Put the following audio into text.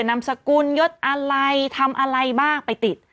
นำสกุลยดอะไรทำอะไรบ้างไปติด